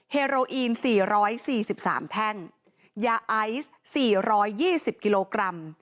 เรอีน๔๔๓แท่งยาไอซ์๔๒๐กิโลกรัม